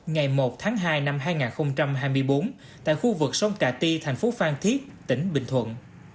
ngày một tháng hai năm hai nghìn hai mươi bốn tại khu vực sông cà ti thành phố phan thiết tỉnh bình thuận